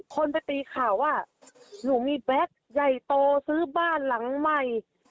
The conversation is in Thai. คนไปตีข่าวว่าหนูมีแบ็คใหญ่โตซื้อบ้านหลังใหม่